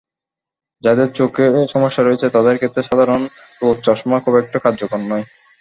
যাঁদের চোখে সমস্যা রয়েছে, তাঁদের ক্ষেত্রে সাধারণ রোদচশমা খুব একটা কার্যকর নয়।